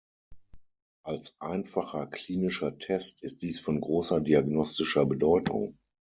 Als einfacher klinischer Test ist dies von großer diagnostischer Bedeutung.